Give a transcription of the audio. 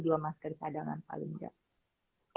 bawalah satu dua masker cadangan paling enggak